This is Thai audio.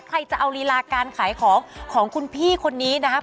ใครจะเอารีลาการขายของของคุณพี่คนนี้นะครับ